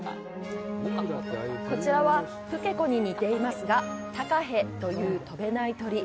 こちらはプケコに似ていますが、タカへという飛べない鳥。